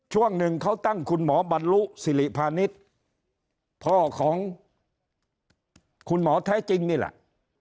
ช่วงหนึ่งเขาตั้งคุณหมอบรรลุสิริพาณิชย์พ่อของคุณหมอแท้จริงนี่แหละ